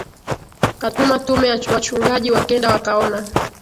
katuma tume ya wachungaji wakenda wakaona